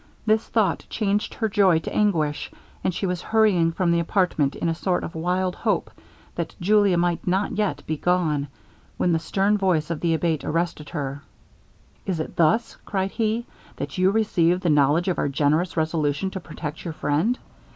This thought changed her joy to anguish; and she was hurrying from the apartment in a sort of wild hope, that Julia might not yet be gone, when the stern voice of the Abate arrested her. 'Is it thus,' cried he, 'that you receive the knowledge of our generous resolution to protect your friend?